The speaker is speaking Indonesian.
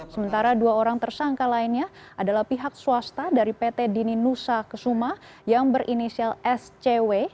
sementara dua orang tersangka lainnya adalah pihak swasta dari pt dini nusa kesuma yang berinisial scw